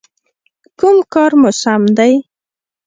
_کوم کار مو سم دی؟